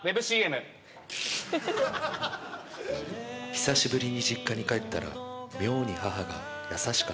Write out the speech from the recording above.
久しぶりに実家に帰ったら妙に母が優しかった